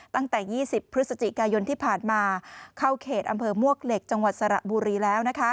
ตั้งแต่๒๐พฤศจิกายนที่ผ่านมาเข้าเขตอำเภอมวกเหล็กจังหวัดสระบุรีแล้ว